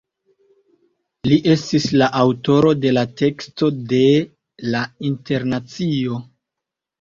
Li estis la aŭtoro de la teksto de "La Internacio".